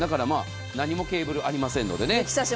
何もケーブルありませんので。